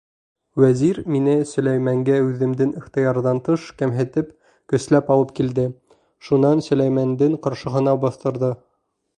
Вәзир мине Сөләймәнгә үҙемдең ихтыярҙан тыш, кәмһетеп, көсләп алып килде, шунан Сөләймәндең ҡаршыһына баҫтырҙы.